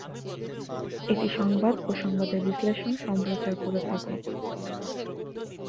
এটি সংবাদ ও সংবাদের বিশ্লেষণ সম্প্রচার করে থাকে।